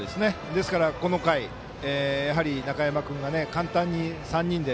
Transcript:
ですから、この回中山君が簡単に２人で